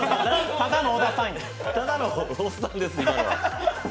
ただのおっさんです、今のは。